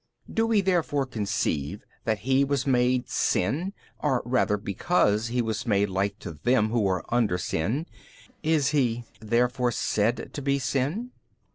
B. Do we therefore conceive that He was made sin, or |301 rather because He was made like to them who are under sin, is He therefore said to be sin?